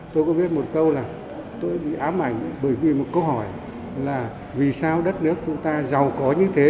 tôi có viết một câu là tôi bị ám ảnh bởi vì một câu hỏi là vì sao đất nước chúng ta giàu có như thế